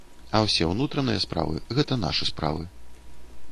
А ўсе ўнутраныя справы, гэта нашы справы.